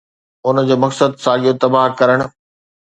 ان جو مقصد ساڳيو تباهه ڪرڻ.